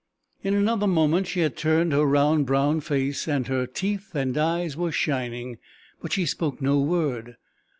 In another moment she had turned her round, brown face, and her teeth and eyes were shining, but she spoke no word.